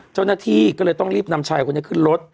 เจ้าหน้าที่ก็เลยต้องรีบนำชายคนนี้ขึ้นรถ